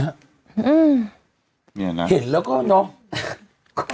อือเป่ยนี่นะเห็นแล้วก็เนอะ